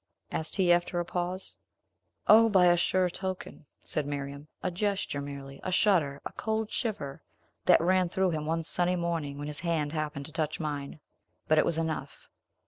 asked he, after a pause. "O, by a sure token," said Miriam; "a gesture, merely; a shudder, a cold shiver, that ran through him one sunny morning when his hand happened to touch mine! But it was enough."